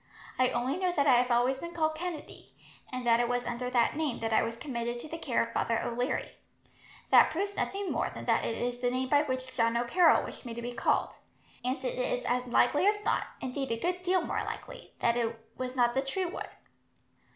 I only know that I have always been called Kennedy, and that it was under that name that I was committed to the care of Father O'Leary. That proves nothing more than that it is the name by which John O'Carroll wished me to be called; and it is as likely as not indeed a good deal more likely that it was not the true one."